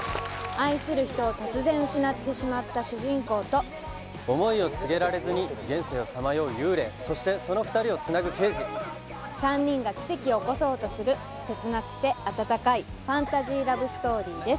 愛する人を突然失ってしまった主人公と思いを告げられずに現世をさまよう幽霊そしてその２人をつなぐ刑事３人が奇跡を起こそうとする切なくてあたたかいファンタジーラブストーリーです